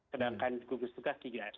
sedangkan gugus tugas tidak